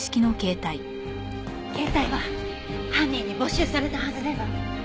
携帯は犯人に没収されたはずでは？